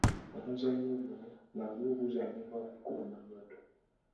Omuzannyo guno nagwo guzannyibwa abakulu n’abato.